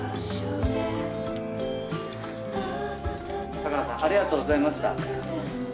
香川さんありがとうございました。